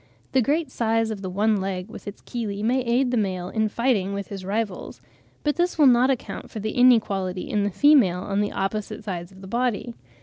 The great size of the one leg with its chelae may aid the male in fighting with his rivals; but this will not account for their inequality in the female on the opposite sides of the body.